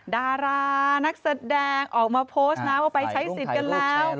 ดารานักแสดงออกมาโพสต์นะว่าไปใช้สิทธิ์กันแล้ว